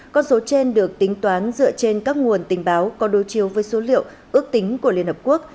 con số trên được tính toán dựa trên các nguồn tình báo có đối chiếu với số liệu ước tính của liên hợp quốc